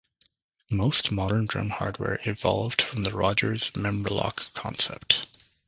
Most modern drum hardware evolved from the Rogers Memrilock concept.